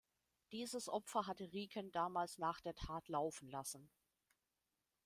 Dieses Opfer hatte Rieken damals nach der Tat laufen lassen.